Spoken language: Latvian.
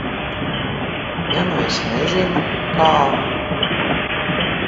Ja nu es nezinu, kā?